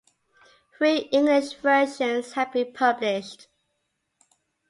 Three English versions have been published.